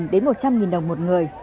đến một trăm linh đồng một người